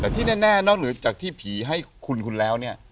แต่ที่แน่นอกเหนือจากที่ผีให้คุณคุณแล้วเนี่ย